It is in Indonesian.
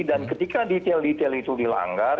dan ketika detail detail itu dilanggar